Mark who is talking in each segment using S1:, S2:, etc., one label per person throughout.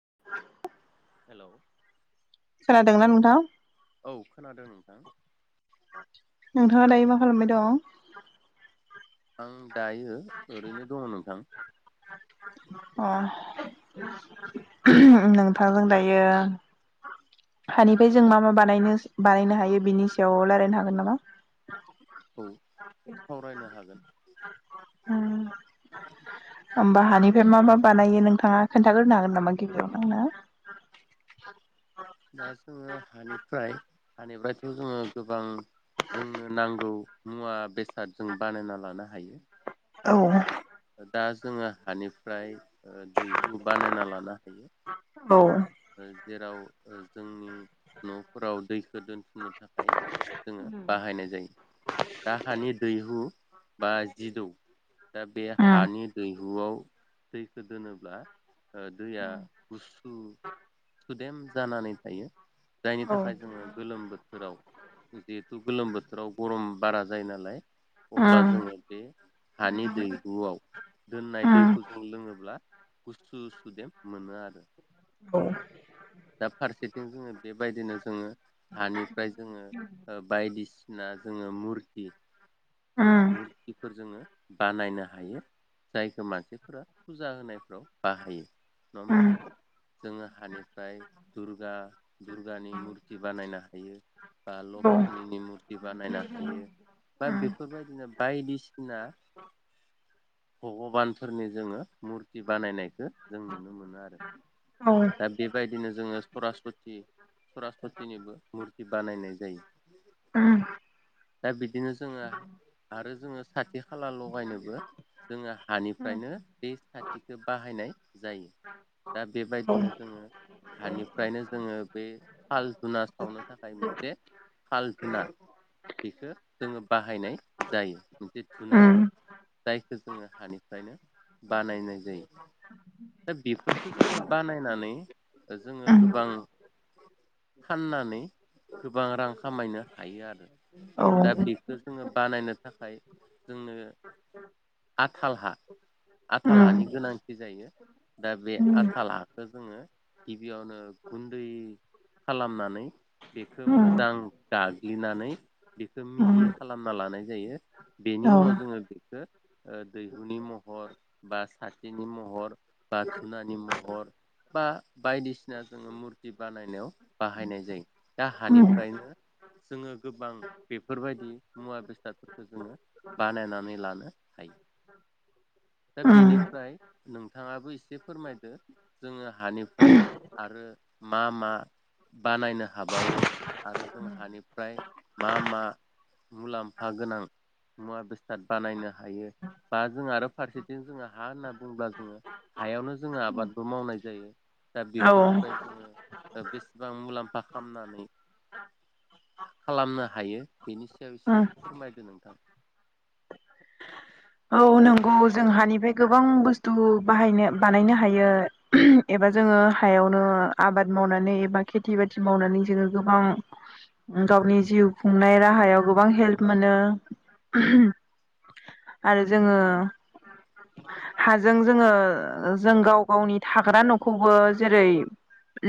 S1: [inaudible]
S2: हेल'
S1: जादोंना नोंथां
S2: औ खोनादों नोंथां
S1: नोंथाङालाय मा खालामबाय दं?
S2: आं दायो ओरैनो दङ नोंथां
S1: अ नोंथांजों दायो हानिफ्राय जों मा मा बानायनो बानायनो हायो बिनि सायाव रायलायनो हागोन नामा
S2: औ सावरायनो हागोन
S1: ओम
S2: [inaudible]
S1: होमबा हानिफ्राय मा मा बानायो नोंथाङा खोन्थाग्रोनो हागोन नामा गिबियाव नंना
S2: दा जोङो हानिफ्राय हानिफ्रायथ' जोङो गोबां जोंनो नांगौ मुवा बेसाद जों बानायना लानो हायो
S1: औ
S2: दा जोङो हानिफ्राय दैहु बानायना लानो हायो
S1: औ उम औ उम
S2: जेराव जोंनि न'फोराव दैखौ दोनथुमनो थाखाय जों बाहायनाय जायो दा हानि दैहु बा जिदौ दा बे हानि दैहु न'आव दैखो दोनोब्ला दैया गुसु सुदेम जानानै थायो जायनि थाखाय जोङो गोलोम बोथोराव जिहेथु गोलोम बोथोराव गरम बारा जायो नालाय अब्ला जोङो बे हानि दैहुआव दोननाय दैफोरखौ लोङो गुसुु सुदेम मोनो आरो
S1: औ
S2: दा फारसेथिं जोङो बेबायदिनो जोङो हानिफ्राय जोङो बायदिसिना जोङो मुरथि
S1: [inaudible]
S2: मुर्तफोर जोङो बानायनो हायो जायखौ मानसिफोरा फुजा होनायफ्राव बाहायो नङा होमबा जोङो हानिफ्राय दुर्गा दुर्गानि मुर्थि बानायनो हायो बा लक्ष्मिनि मुर्थि बानायनो हायो बा बेफोर बायदिनो बायदिसिना भगबानफोरनि जोङो मुर्थि बानायनायखौ जों नुनो मोनो आरोखि
S1: औ
S2: बेबायदिनो जोङो सरासति सरासतिनिबो मुर्थि बानायनाय जायो।
S1: [unintelligible]
S2: दा बिदिनो जोङो आरो जोङो साथि खाला लगायनोबो जोङो हानिफ्रायनो बे साथिखौ बाहायनाय जायो। दा बेबायदिनो जोङो। दानिफ्रायनो जोङो बे थाल जुनार सावनो थाखाय मोनसे फाल धुना बेखौ जोङो बाहायनाय जायो मोनसे धुना जायखौ जोङो हानिफ्रायनो बानायनाय जायो। दा बेफोरखौ जोङो बानायनानै जोङो गोबां फाननानै गोबां रां खामायनो हायो आरो दा बेखौ जोङो। बानायनो थाखाय जोंनो हाथाल हा आथालाानि गोनांथि जायो। दा बे
S1: उम औ उम औ उम औ उम औ उम
S2: आथलाखौ जोङो गिबियावनो गुन्दै खालामनानै बेखौ मोजां
S1: उम
S2: गाग्लिनानै बेखौ मिहि खालामना लानो हानाय जायो बेनि
S1: औ
S2: उनाव जोङो बेखौ दैहुनि महर बा साथिनि महर बाथुनानि महर बा बायदिसिना जोङो मुरथि बानायनायाव बाहायनाय जायो दा
S1: उम
S2: हानिफ्रायनो। जोङो गोबां बेफोरबायदि मुवा बेसादफोरखौ जोङो बानायनानै लानो हायो। दा
S1: उम
S2: बेनिफ्राय नोंथाङाबो एसे फोरमायदो। जोङो हानिफ्राय आरो मा मा? बानायनो हाबावो आरो जों हानिफ्राय मा मा? मुलाम्फा गोनां मुवा बेसाद बानायनो हायो बा जों आरो फारसेथिं जोङो हा होनना बुङोला जोङो हायावनो जोङो आबादबो मावनाय जायो‌। दा
S1: औ
S2: बेफोरनिफ्राय जोङो बेस गोबां मुलाम्फा खालामनानै खालामनो हायो। बेनि सायाव एसे फोरमायदो नोंथां।
S1: औ नंगौ जों हानिफ्राय गोबां बुस्थु बाहायनो बानायनो हायो एबा जोङो हायावनो आबाद मावनानै एबा खेथि बाथि मावनानै जोङो गोबां गावनि जिउ खुंनाय राहायाव गोबां हेल्प मोनो। आरो जोङो हाजों जोङो जों गाव गावनि थाग्रा न'खौबो जेरै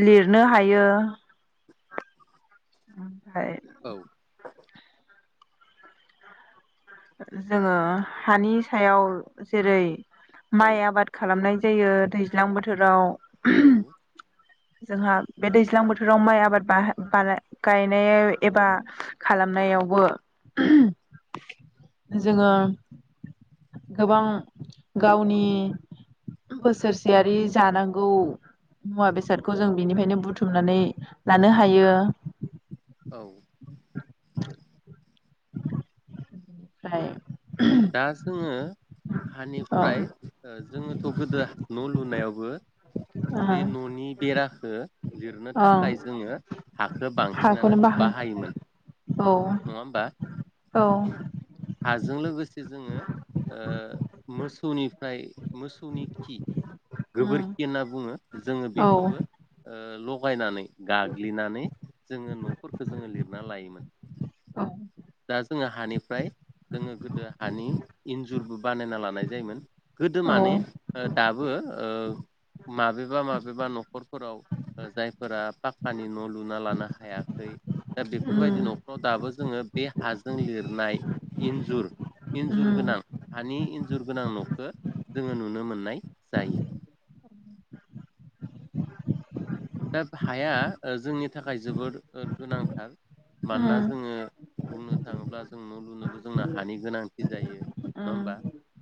S1: लिरनो हायो ओमफ्राय
S2: औ।
S1: जोङो हानि सायाव जेरै
S2: औ
S1: माइ आबाद खालामनाय जायो दैज्लां बोथोराव।
S2: औ।
S1: जोंहा बे दैज्लां बोथोराव माइ आबाद बा बा गायनाय एबा खालाम नायावबो जोङो गोबां गावनि बोसोरसेयारि जानांगौ मुवा बेसाद। जों बिनिफ्रायनो बुथुमनानै लानो हायो।
S2: औ।
S1: फ्राय
S2: दा जोङो
S1: औ
S2: हानिफ्राय जोङोथ' गोदो न' लुनायावबो
S1: ओ
S2: बे न'नि बेराख लिरनो
S1: ओं
S2: थाखाय जोङो हाखौ
S1: हाखौनो
S2: बांसिनानो
S1: बाहाय
S2: बाहायोमोन।
S1: औ
S2: नङा होमबा
S1: औ
S2: हाजों लोगोसे जोङो ओ मोसौनिफ्राय मोसौनि खि
S1: उम
S2: गोबोरखि होनना बुङो। जोङो
S1: औ
S2: बेखौबो ओ लगायनानै गाग्लिनानै जोङो न'फोरखौ जोङो लिरना लायोमोन।
S1: औ
S2: दा जोङो हानिफ्राय जोङो गोदो हानि इन्जुरबो बानायना लानाय जायोमोन। गोदो
S1: औ
S2: माने ओ दाबो ओ माबेबा माबेबा न'खरफोराव जायफोरा पाक्कानि न' लुना लानो हायाखै दा
S1: उम
S2: बेफोरबायदि न'खराव दाबो जोङो बे हाजों लिरनाय इन्जुर इन्जुर
S1: उम
S2: गोनां हानि इन्जुर गोनां न'खौ जोङो नुनो मोननाय जायो। दा हाया जोंनि थाखाय जोबोद गोनांथार मानोना
S1: उम
S2: जोङो बुंनो थाङोब्ला जों न' लुनोबो जोंना हानि गोनांथि जायो। नङा होमबा
S1: उम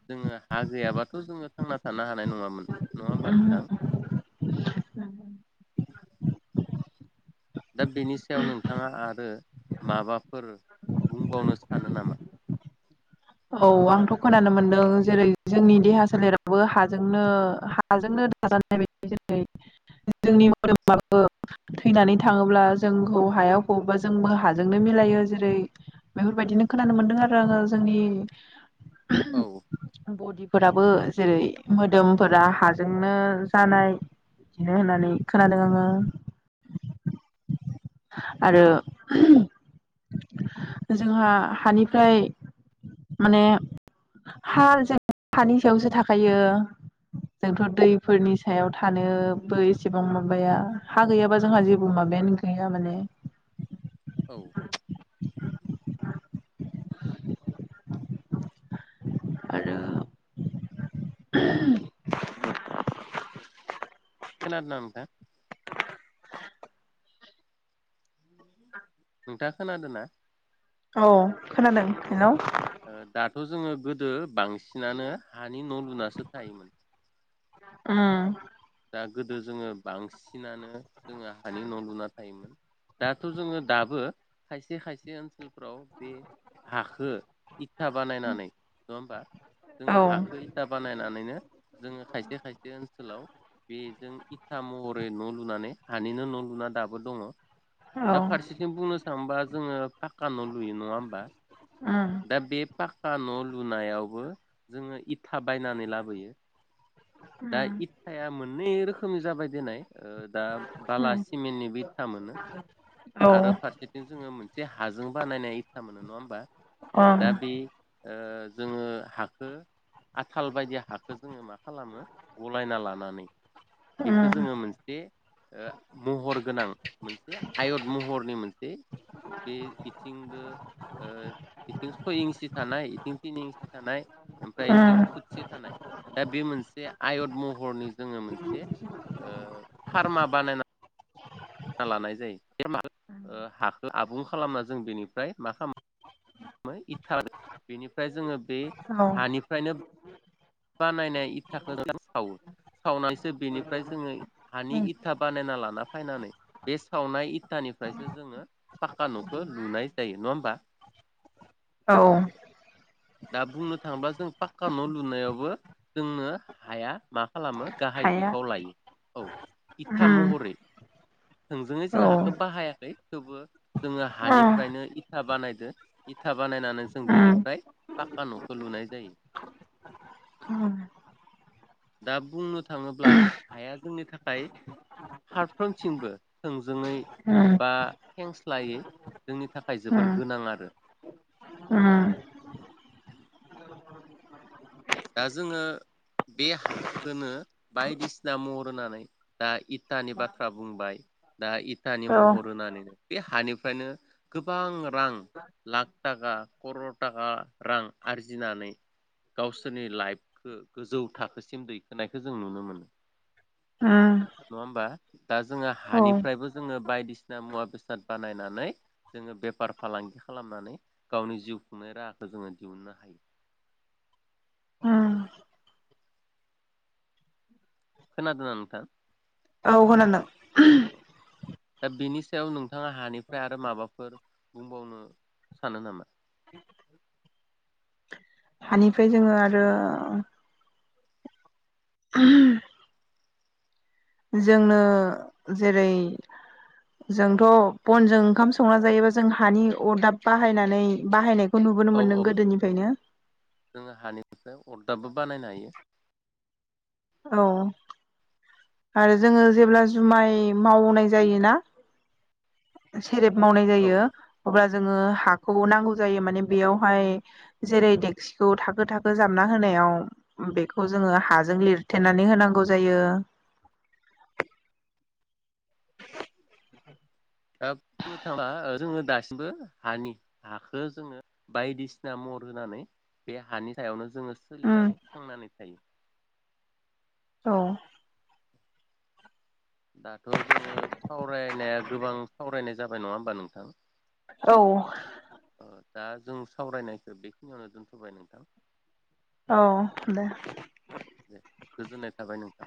S2: जोङो हा गैयाबाथ' जोङो थांना थानो हानाय नङामोन नङा होमबा
S1: उम
S2: नोंथां?
S1: [unintelligible]
S2: दा बेनि सायाव नोंथाङा आरो माबाफोर बुंबावनोसो सानो नामा?
S1: औ आंथ' खोनानो मोनदों जेरै जोंनि देहा सोलेरावबो हाजोंनो हाजोंनो [unintelligible] जेरै जोंनि मदोमाबो थैनानै थाङोब्ला जोंखौ हायाव फबोबा जोंबो हाजोंनो मिलायो जेरै बेफोरबायदिनो खोनानो मोन्दों आरो आङो जोंनि
S2: औ
S1: फोराबो जेरै मोदोमफोरा हाजोंनो जानाय बिदिनो होननानै खोनादों आङो। आरो जोंहा हानिफ्राय माने हाल जों हानि सायावसो थाखायो जोंथ' दैफोरनि सायाव थानोबो एसेबां माबाया हा गैयाबा जोंहा जेबो माबा बायानो गैया माने
S2: औ
S1: आरो
S2: खोनादों ना नोंथां? नोंथाङा खोनादों ना?
S1: औ खोनादों हेलो
S2: थ' जोङो गोदो बांसिनानो हानि न' लुनासो थायोमोन।
S1: ओम
S2: दा गोदो जोङो बांसिनानो जोङो हानि न' लुना थायोमोन दाथ' जोङो दाबो खायसे खायसे ओनसोल फोराव बे हाखो इथा बानायनानै नङा होमबा?
S1: औ
S2: जोङो हाखै इथा बानायनानैनो जोङो खायसे खायसे ओनसोलाव बेजों इथा महरै न' लुनानै हानिनो न' लुना दाबो दङ।
S1: औ
S2: दा फारसेथिं बुंनो थांबा जोङो फाक्क न' लुयो नङा होमबा?
S1: उम
S2: दा बे पाक्का न' लुनायावबो जोङो इथा बायनानै लाबोयो। दा
S1: उम
S2: इथाया मोननै रोखोमनि जाबाय दे नाय ओ दा बाला सिमेन्टनिबो इथा मोनो
S1: औ ओं
S2: आरो फारसेथिं जोङो मोनसे हाजों बानायनाय इथा मोनो नङा होमबा? दा
S1: उम
S2: बे ओ जोङो हाखो आथाल बायदि हाखौ जोङो मा खालामो गलायना लानानै बेखौ जोङो
S1: उम
S2: मोनसे ओ महर गोनां मोनसे आयत महरनि मोनसे बे इथिंबो बिथिं सय इन्सि थानाय बिथिं थिन इन्सि थानाय ओमफ्रा इथिं खुथि थानाय दा बे मोनसे आयत महरनि जोङो मोनसे ओ फार्मा बानायना लानाय जायो [inaudible] ओ हाखो आबुं खालामना जों बेनिफ्राय मा खाम मो इटार बेनिफ्राय जोङो बे हानिफ्रायनो
S1: उम
S2: बानायनाय इथाखौ [inaudible] सावो। सावनायसो बेनिफ्राय जोङो हानि
S1: उम
S2: इथा बानायना लाना फैनानै बे सावनाय इथानि निफ्रायसो जोङो पाक्का न'खौ लुनाय जायो नङा होमबा
S1: [inaudible] औ औ
S2: दा बुंनो थाङोबा जों पाक्का न' लुनायावबो जोंनो हाया मा खालामो गाहाय
S1: हाया
S2: बिफाव लायो औ इथा
S1: उम
S2: महरै थोंजोङै जों
S1: औ उम
S2: हाखौ बाहायाखै थेवबो जोङो हानिफ्रायनो इथा बानायदों इ था बानायनानै जों
S1: उम
S2: बेनिफ्राय पाक्का न'खौ लुनाय जायो।
S1: [unintelligible]
S2: दा बुंनो थाङोब्ला हाया जोंनि थाखाय हारफ्रम थिंबो थोंजोङै
S1: उम औ
S2: बा खेंस्लायै जोंनि थाखाय जोबोर गोनां आरो।
S1: उम
S2: दा जोङो बे हाखोनो बायदिसिना महर होनानै दा इटानि बाथ्रा बुंबाय। दा इटानि
S1: औ
S2: महर होनानैनो बे हानिफ्रायनो गोबां रां लाख थाखा करल थाखा रां आरजिनानै गावस रनि लाइफखौ गोजौ थाखोसिम दैखोनायखौ जों नुनो मोनो।
S1: उम
S2: नङा होमबा दा जोङो हानिफ्रायबो जोङो बायदिसिना मुवा बेसाद बानायनानै जोङो बेफार फालांगि खालामनानै गावनि जिउ खुंनाय राहाखौ जोङो दिहुननो हायो। खोनादोंना नोंथां?
S1: औ खोनादों।
S2: दा बेनि सायाव नोंथाङा हानिफ्राय आरो माबाफोर बुंबावनो सानो नामा
S1: [inaudible] हानिफ्राय जोङो आरो [inaudible] जोंनो जेरै जोंथ' बनजों ओंखाम संना जायोबा जों हानि अरदाब बाहायनानै बाहायनाय खौ नुबोनो
S2: औ
S1: मोन्दों
S2: औ
S1: गोदोनिफ्रायनो।
S2: अरदाबो बानायनो हायो।
S1: औ आरो जोङो जेब्ला जुमाय मावनाय जायोना। खेरेब मावनाय
S2: औ
S1: जायो अब्ला जोङो हाखौ नांगौ जायो माने बेयावहाय जेरै देक्सिखौ थाखो थाखो जामना होनाय आव बेखौ जोङो हाजों लिरथेनानै होनांगौ जायो।
S2: दा बुंनो थांला जोङो दासिमबो हानि हाखौ जोङो बायदिसिना म हर होनानै बे हानि सायावनो जोङो
S1: उम
S2: सोलिनानै थांनानै थायो।
S1: औ
S2: दाथ' जोङो सावरायनाया गोबां सावरायनाय जाबाय नङा होमबा नोंथां।
S1: औ।
S2: दा जों सावरायनायखौ बेखिनियावनो दोनथ'बाय नोंथां।
S1: औ दे।
S2: दे गोजोननाय थाबाय नोंथां